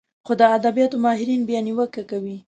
خو د ادبياتو ماهرين بيا نيوکه کوي